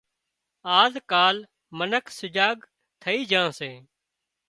آز ڪال منک سجاگ ٿئي جھان سي